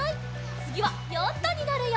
つぎはヨットになるよ！